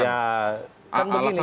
ya kan begini